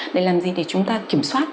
để làm gì để chúng ta kiểm soát